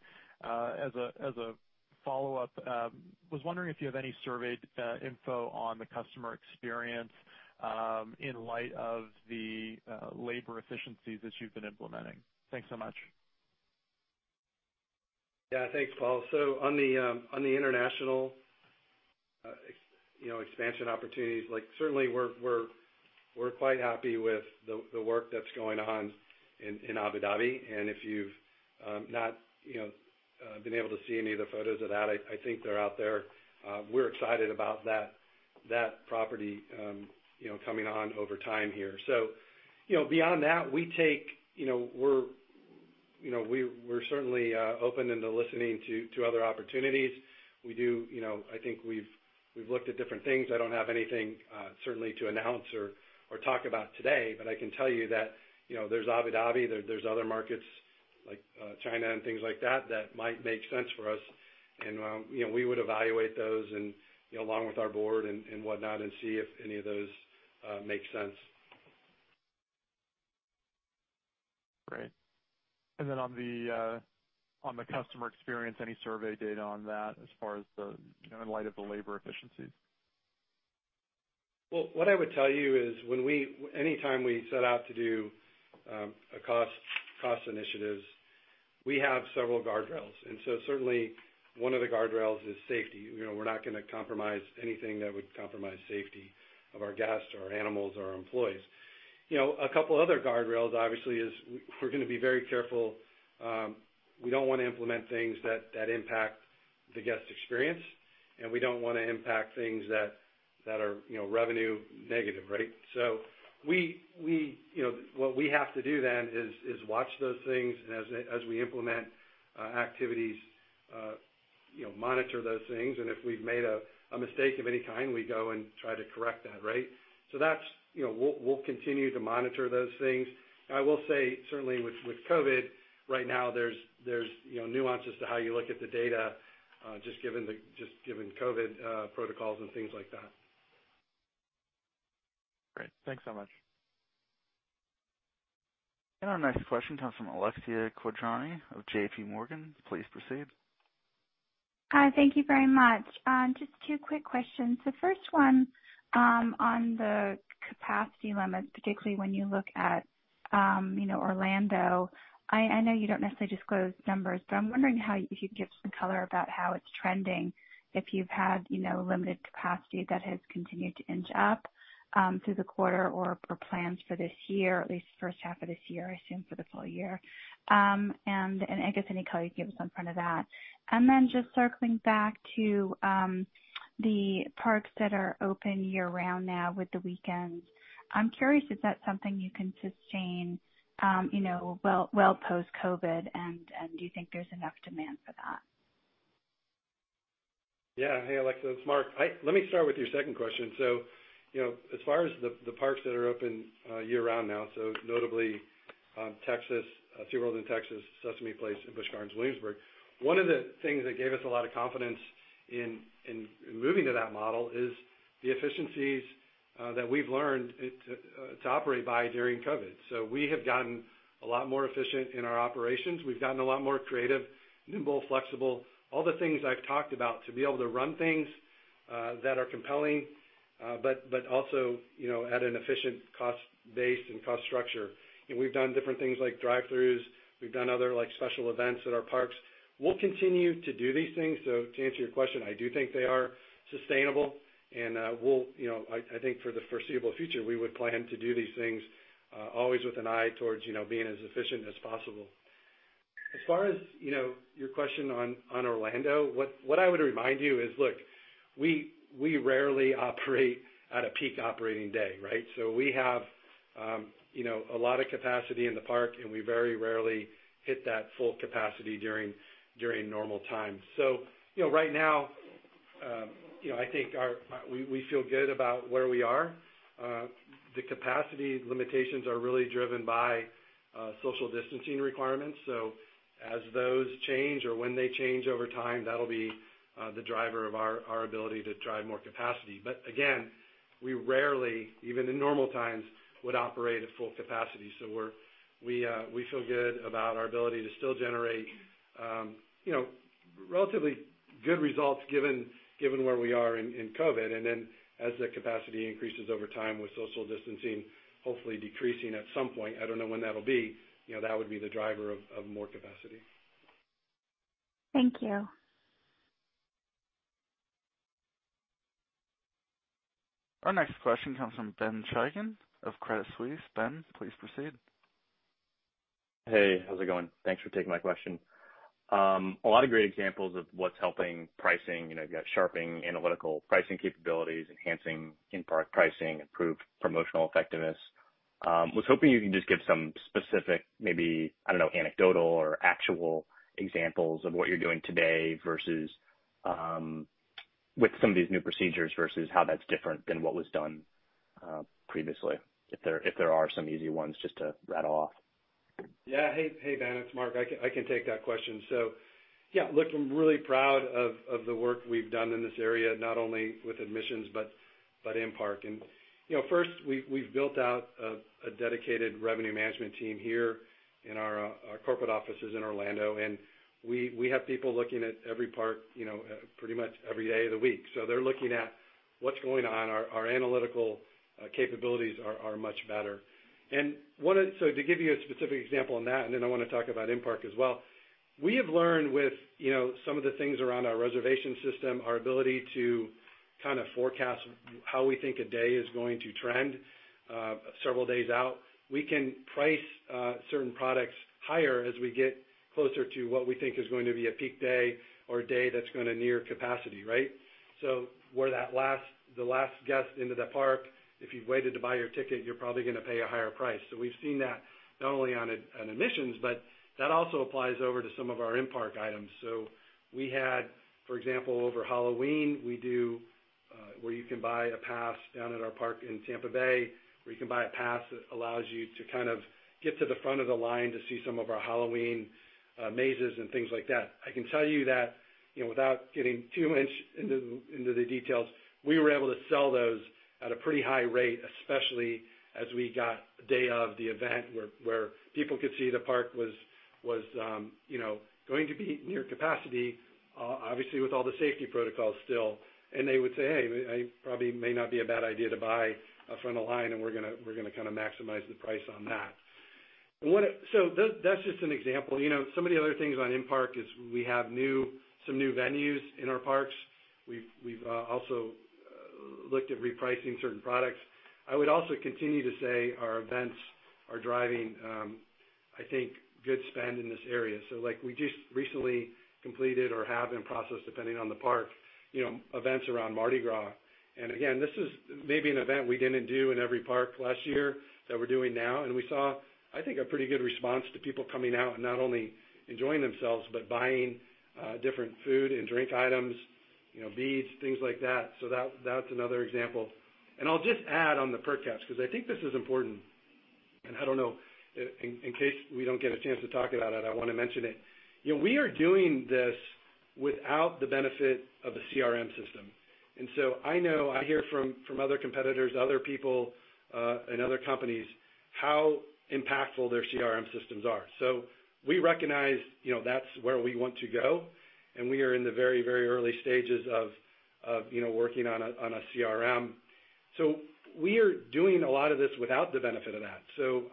Speaker 8: a follow-up, was wondering if you have any surveyed info on the customer experience, in light of the labor efficiencies that you've been implementing. Thanks so much.
Speaker 3: Yeah, thanks, Paul. On the international expansion opportunities, certainly we're quite happy with the work that's going on in Abu Dhabi, and if you've not been able to see any of the photos of that, I think they're out there. We're excited about that property coming on over time here. Beyond that, we're certainly open and are listening to other opportunities. I think we've looked at different things. I don't have anything certainly to announce or talk about today, but I can tell you that there's Abu Dhabi, there's other markets like China and things like that might make sense for us. We would evaluate those and along with our board and whatnot, and see if any of those make sense.
Speaker 8: Great. Then on the customer experience, any survey data on that as far as in light of the labor efficiencies?
Speaker 3: Well, what I would tell you is any time we set out to do cost initiatives, we have several guardrails, and so certainly one of the guardrails is safety. We're not going to compromise anything that would compromise safety of our guests, our animals, or our employees. A couple other guardrails, obviously, is we're going to be very careful. We don't want to implement things that impact the guest experience, and we don't want to impact things that are revenue negative, right? What we have to do then is watch those things as we implement activities, monitor those things, and if we've made a mistake of any kind, we go and try to correct that, right? We'll continue to monitor those things. I will say, certainly with COVID right now, there's nuances to how you look at the data, just given COVID protocols and things like that.
Speaker 8: Great. Thanks so much.
Speaker 1: Our next question comes from Alexia Quadrani of JPMorgan. Please proceed.
Speaker 9: Hi. Thank you very much. Just two quick questions. The first one on the capacity limits, particularly when you look at Orlando. I know you don't necessarily disclose numbers, but I'm wondering if you could give some color about how it's trending, if you've had limited capacity that has continued to inch up through the quarter or plans for this year, at least the first half of this year, I assume, for the full year. I guess, you can give us some of that. Then just circling back to the parks that are open year-round now with the weekends, I'm curious if that's something you can sustain well post-COVID-19, and do you think there's enough demand for that?
Speaker 3: Yeah. Hey, Alexia, it's Marc. Let me start with your second question. As far as the parks that are open year-round now, notably SeaWorld in Texas, Sesame Place, and Busch Gardens Williamsburg, one of the things that gave us a lot of confidence in moving to that model is the efficiencies that we've learned to operate by during COVID. We have gotten a lot more efficient in our operations. We've gotten a lot more creative and nimble, flexible, all the things I've talked about to be able to run things that are compelling, but also at an efficient cost base and cost structure. We've done different things like drive-throughs. We've done other special events at our parks. We'll continue to do these things. To answer your question, I do think they are sustainable, and I think for the foreseeable future, we would plan to do these things always with an eye towards being as efficient as possible. As far as your question on Orlando, what I would remind you is, look, we rarely operate at a peak operating day, right? We have a lot of capacity in the park, and we very rarely hit that full capacity during normal times. Right now, I think we feel good about where we are. The capacity limitations are really driven by social distancing requirements. As those change or when they change over time, that'll be the driver of our ability to drive more capacity. Again, we rarely, even in normal times, would operate at full capacity. We feel good about our ability to still generate relatively good results given where we are in COVID. As the capacity increases over time with social distancing hopefully decreasing at some point, I don't know when that'll be, that would be the driver of more capacity.
Speaker 9: Thank you.
Speaker 1: Our next question comes from Ben Chaiken of Credit Suisse. Ben, please proceed.
Speaker 10: Hey, how's it going? Thanks for taking my question. A lot of great examples of what's helping pricing. You've got sharpening analytical pricing capabilities, enhancing in-park pricing, improved promotional effectiveness. Was hoping you can just give some specific, maybe, I don't know, anecdotal or actual examples of what you're doing today with some of these new procedures versus how that's different than what was done previously, if there are some easy ones just to rattle off.
Speaker 3: Yeah. Hey, Ben, it's Marc. I can take that question. Yeah, look, I'm really proud of the work we've done in this area, not only with admissions, but in-park. First, we've built out a dedicated revenue management team here in our corporate offices in Orlando, and we have people looking at every park pretty much every day of the week. They're looking at what's going on. Our analytical capabilities are much better. To give you a specific example on that, then I want to talk about in-park as well. We have learned with some of the things around our reservation system, our ability to kind of forecast how we think a day is going to trend several days out. We can price certain products higher as we get closer to what we think is going to be a peak day or a day that's going to near capacity, right? Where the last guest into the park, if you've waited to buy your ticket, you're probably going to pay a higher price. We've seen that not only on admissions, but that also applies over to some of our in-park items. We had, for example, over Halloween, where you can buy a pass down at our park in Tampa Bay, where you can buy a pass that allows you to kind of get to the front of the line to see some of our Halloween mazes and things like that. I can tell you that without getting too much into the details, we were able to sell those at a pretty high rate, especially as we got day of the event where people could see the park was going to be near capacity, obviously, with all the safety protocols still. They would say, "Hey, it probably may not be a bad idea to buy a front of line," and we're going to maximize the price on that. That's just an example. Some of the other things on in-park is we have some new venues in our parks. We've also looked at repricing certain products. I would also continue to say our events are driving, I think, good spend in this area. Like we just recently completed or have in process, depending on the park, events around Mardi Gras. Again, this is maybe an event we didn't do in every park last year that we're doing now. We saw, I think, a pretty good response to people coming out and not only enjoying themselves, but buying different food and drink items, beads, things like that. That's another example. I'll just add on the per caps, because I think this is important, I don't know, in case we don't get a chance to talk about it, I want to mention it. We are doing this without the benefit of a CRM system. I know I hear from other competitors, other people, and other companies how impactful their CRM systems are. We recognize that's where we want to go, and we are in the very early stages of working on a CRM. We are doing a lot of this without the benefit of that.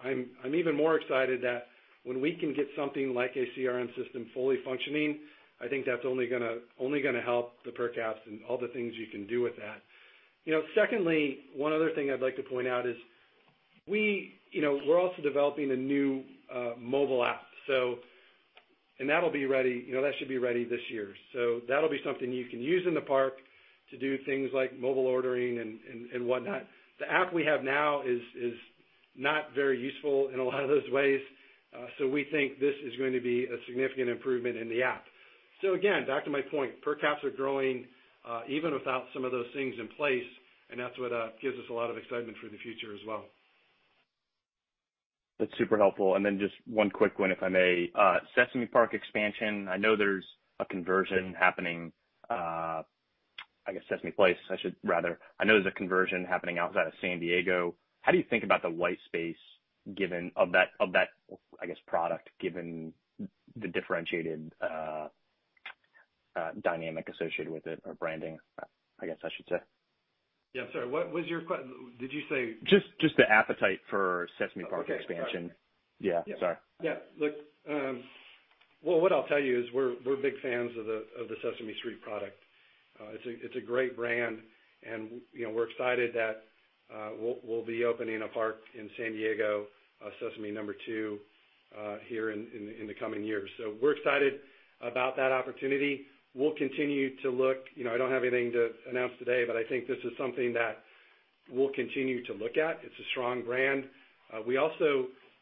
Speaker 3: I'm even more excited that when we can get something like a CRM system fully functioning, I think that's only going to help the per caps and all the things you can do with that. Secondly, one other thing I'd like to point out is we're also developing a new mobile app. That should be ready this year. That'll be something you can use in the park to do things like mobile ordering and whatnot. The app we have now is not very useful in a lot of those ways. We think this is going to be a significant improvement in the app. Again, back to my point, per caps are growing even without some of those things in place, and that's what gives us a lot of excitement for the future as well.
Speaker 10: That's super helpful. Just one quick one, if I may. Sesame Place expansion, I know there's a conversion happening. I know there's a conversion happening outside of San Diego. How do you think about the white space of that product, given the differentiated dynamic associated with it, or branding, I guess I should say?
Speaker 3: Yeah. I'm sorry, what was your question? Did you say...
Speaker 10: Just the appetite for Sesame Place expansion.
Speaker 3: Okay. Got it.
Speaker 10: --Yeah, sorry.
Speaker 3: Look, well, what I'll tell you is we're big fans of the Sesame Street product. It's a great brand, and we're excited that we'll be opening a park in San Diego, Sesame number two here in the coming years. We're excited about that opportunity. We'll continue to look. I don't have anything to announce today, but I think this is something that we'll continue to look at. It's a strong brand.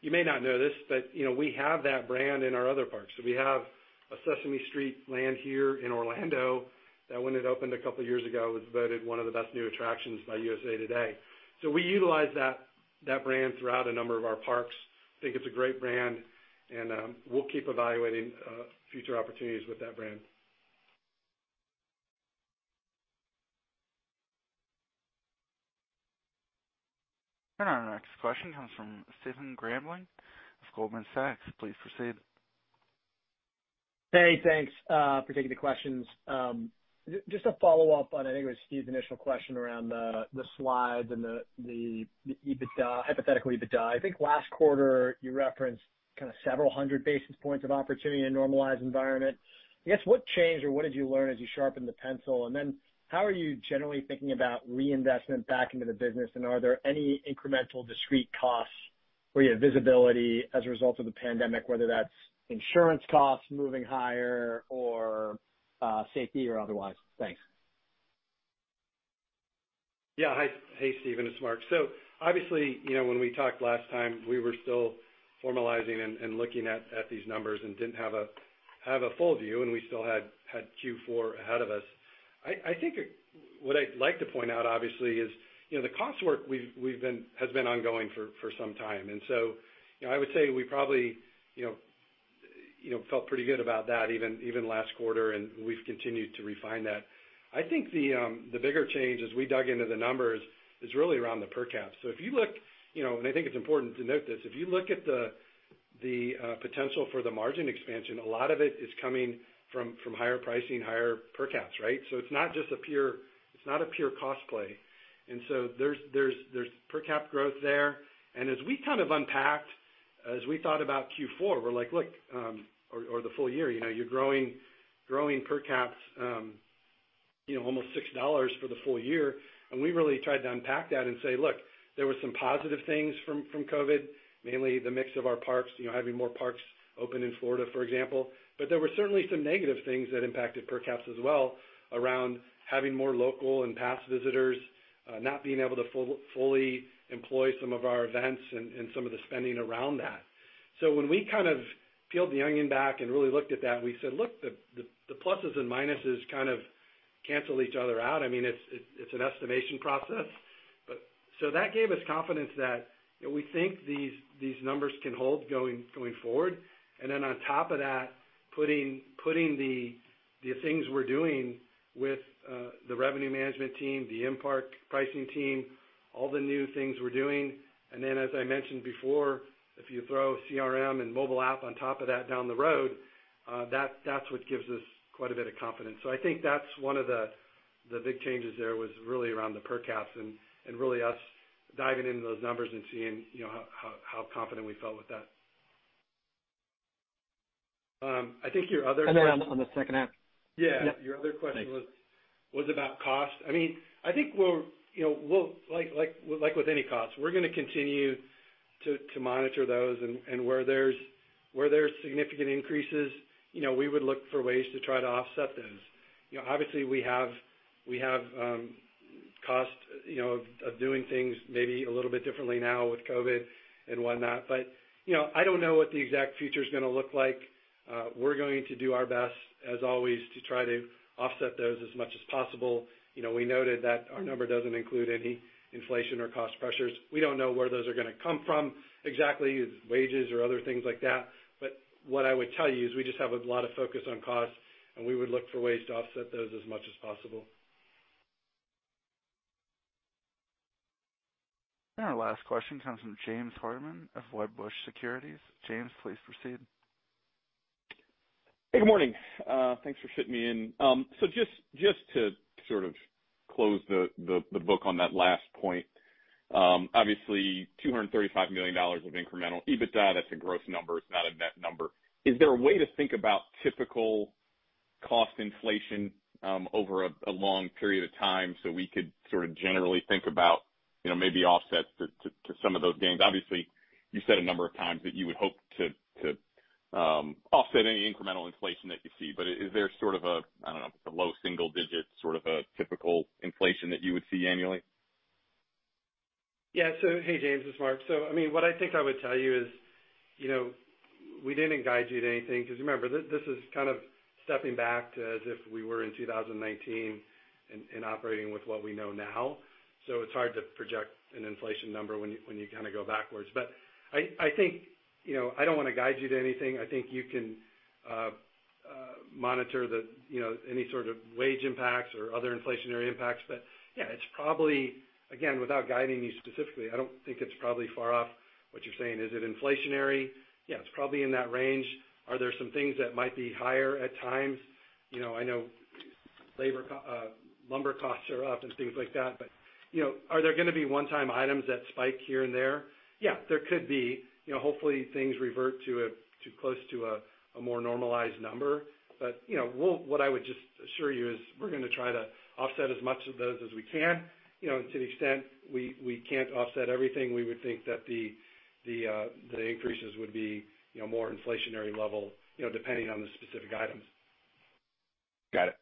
Speaker 3: You may not know this, but we have that brand in our other parks. We have a Sesame Street land here in Orlando that when it opened a couple of years ago, was voted one of the best new attractions by USA Today. We utilize that brand throughout a number of our parks. I think it's a great brand, and we'll keep evaluating future opportunities with that brand.
Speaker 1: Our next question comes from Stephen Grambling of Goldman Sachs. Please proceed.
Speaker 11: Hey, thanks for taking the questions. Just a follow-up on, I think it was Steve's initial question around the slides and the hypothetical EBITDA. I think last quarter you referenced kind of several hundred basis points of opportunity in a normalized environment. I guess, what changed or what did you learn as you sharpened the pencil? Then how are you generally thinking about reinvestment back into the business, and are there any incremental discrete costs or visibility as a result of the pandemic, whether that's insurance costs moving higher or safety or otherwise? Thanks.
Speaker 3: Yeah. Hey, Stephen. It's Marc. Obviously, when we talked last time, we were still formalizing and looking at these numbers and didn't have a full view, and we still had Q4 ahead of us. I think what I'd like to point out, obviously, is the cost work has been ongoing for some time. I would say we probably felt pretty good about that even last quarter, and we've continued to refine that. I think the bigger change as we dug into the numbers is really around the per cap. I think it's important to note this. If you look at the potential for the margin expansion, a lot of it is coming from higher pricing, higher per caps, right? It's not a pure cost play. There's per cap growth there. As we kind of unpacked, as we thought about Q4, we're like, "Look," or the full year, you're growing per caps almost $6 for the full year. We really tried to unpack that and say, "Look, there were some positive things from COVID, mainly the mix of our parks, having more parks open in Florida, for example." There were certainly some negative things that impacted per caps as well around having more local and pass visitors, not being able to fully employ some of our events and some of the spending around that. When we kind of peeled the onion back and really looked at that and we said, "Look, the pluses and minuses kind of cancel each other out." It's an estimation process. That gave us confidence that we think these numbers can hold going forward. On top of that, putting the things we're doing with the revenue management team, the in-park pricing team, all the new things we're doing. As I mentioned before, if you throw CRM and mobile app on top of that down the road, that's what gives us quite a bit of confidence. I think that's one of the big changes there was really around the per caps and really us diving into those numbers and seeing how confident we felt with that. I think your other...
Speaker 11: On the second half.
Speaker 3: Yeah.
Speaker 11: Yeah.
Speaker 3: Your other question
Speaker 11: Thanks.
Speaker 3: --was about cost. I think like with any cost, we're going to continue to monitor those and where there's significant increases, we would look for ways to try to offset those. Obviously, we have cost of doing things maybe a little bit differently now with COVID-19 and whatnot. I don't know what the exact future's going to look like. We're going to do our best, as always, to try to offset those as much as possible. We noted that our number doesn't include any inflation or cost pressures. We don't know where those are going to come from exactly, wages or other things like that. What I would tell you is we just have a lot of focus on cost, and we would look for ways to offset those as much as possible.
Speaker 1: Our last question comes from James Hardiman of Wedbush Securities. James, please proceed.
Speaker 12: Hey, good morning. Thanks for fitting me in. Just to sort of close the book on that last point. Obviously, $235 million of incremental EBITDA, that's a gross number. It's not a net number. Is there a way to think about typical cost inflation over a long period of time so we could sort of generally think about maybe offsets to some of those gains? Obviously, you said a number of times that you would hope to offset any incremental inflation that you see, is there sort of a, I don't know, a low single digit, sort of a typical inflation that you would see annually?
Speaker 3: Yeah. Hey, James, it's Marc. What I think I would tell you is we didn't guide you to anything because remember, this is kind of stepping back to as if we were in 2019 and operating with what we know now. It's hard to project an inflation number when you kind of go backwards. I don't want to guide you to anything. I think you can monitor any sort of wage impacts or other inflationary impacts. Yeah, it's probably, again, without guiding you specifically, I don't think it's probably far off what you're saying. Is it inflationary? Yeah, it's probably in that range. Are there some things that might be higher at times? I know lumber costs are up and things like that, but are there going to be one-time items that spike here and there? Yeah, there could be. Hopefully, things revert to close to a more normalized number. What I would just assure you is we're going to try to offset as much of those as we can. To the extent we can't offset everything, we would think that the increases would be more inflationary level, depending on the specific items.
Speaker 12: Got it.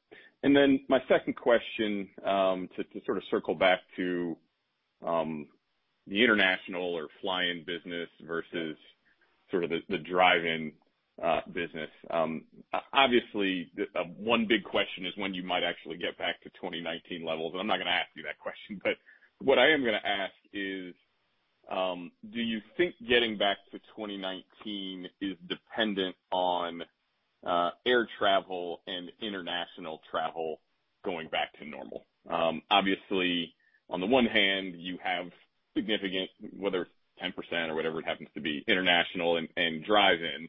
Speaker 12: My second question, to sort of circle back to the international or fly-in business versus sort of the drive-in business. Obviously, one big question is when you might actually get back to 2019 levels. I'm not going to ask you that question. What I am going to ask is, do you think getting back to 2019 is dependent on air travel and international travel going back to normal? Obviously, on the one hand, you have significant, whether it's 10% or whatever it happens to be, international and drive-in,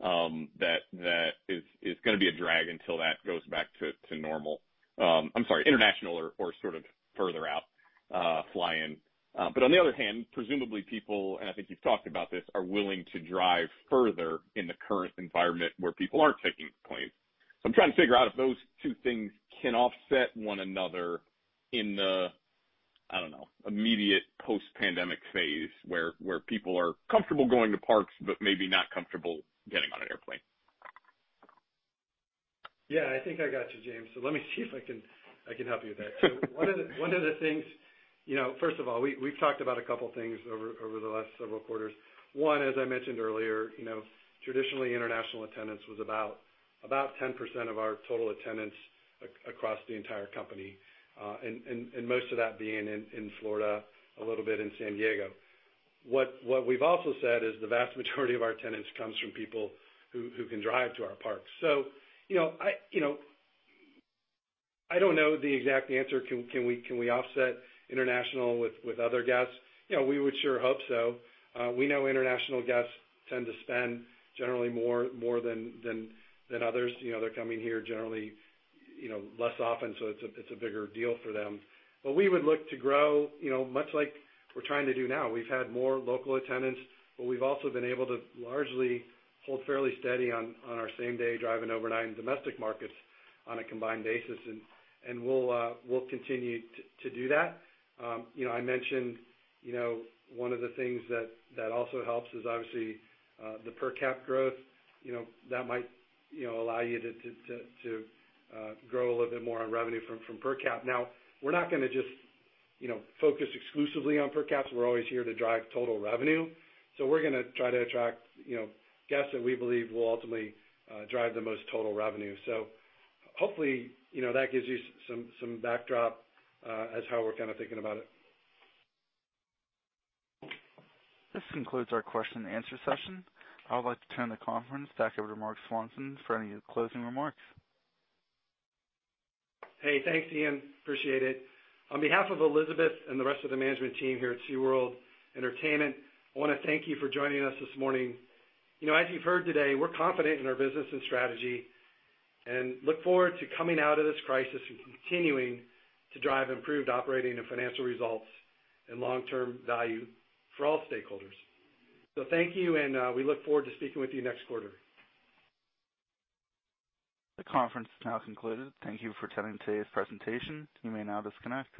Speaker 12: that is going to be a drag until that goes back to normal. I'm sorry, international or sort of further out fly-in. On the other hand, presumably people, and I think you've talked about this, are willing to drive further in the current environment where people aren't taking planes. I'm trying to figure out if those two things can offset one another in the, I don't know, immediate post-pandemic phase, where people are comfortable going to parks but maybe not comfortable getting on an airplane.
Speaker 3: Yeah, I think I got you, James. Let me see if I can help you with that. One of the things, first of all, we've talked about a couple things over the last several quarters. One, as I mentioned earlier, traditionally international attendance was about 10% of our total attendance across the entire company. Most of that being in Florida, a little bit in San Diego. What we've also said is the vast majority of our attendance comes from people who can drive to our parks. I don't know the exact answer. Can we offset international with other guests? We would sure hope so. We know international guests tend to spend generally more than others. They're coming here generally less often, so it's a bigger deal for them. We would look to grow, much like we're trying to do now. We've had more local attendance, but we've also been able to largely hold fairly steady on our same-day drive and overnight and domestic markets on a combined basis. We'll continue to do that. I mentioned one of the things that also helps is obviously the per cap growth. That might allow you to grow a little bit more on revenue from per cap. Now, we're not going to just focus exclusively on per caps. We're always here to drive total revenue. We're going to try to attract guests that we believe will ultimately drive the most total revenue. Hopefully, that gives you some backdrop as how we're kind of thinking about it.
Speaker 1: This concludes our question-and-answer session. I would like to turn the conference back over to Marc Swanson for any closing remarks.
Speaker 3: Hey, thanks, Ian. Appreciate it. On behalf of Elizabeth and the rest of the management team here at SeaWorld Entertainment, I want to thank you for joining us this morning. As you've heard today, we're confident in our business and strategy and look forward to coming out of this crisis and continuing to drive improved operating and financial results and long-term value for all stakeholders. Thank you, and we look forward to speaking with you next quarter.
Speaker 1: The conference is now concluded. Thank you for attending today's presentation. You may now disconnect.